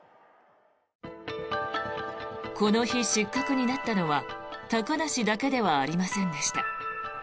この日、失格になったのは高梨だけではありませんでした。